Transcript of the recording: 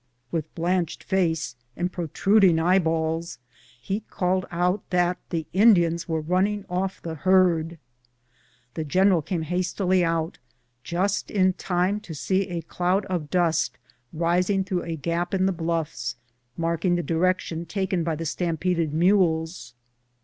With blanched face and protruding eyeballs he called out that the Indians were running off the herd. The general came hastily out, just in time to see a cloud of dust rising through a gap in the bluffs, marking the direction taken by the stampeded mules.